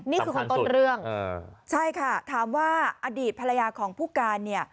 นี่คือคนต้นเรื่องใช่ค่ะถามว่าอดีตภรรยาของผู้การเนี่ย